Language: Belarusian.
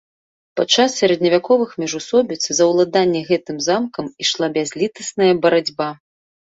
Падчас сярэдневяковых міжусобіц за ўладанне гэтым замкам ішла бязлітасная барацьба.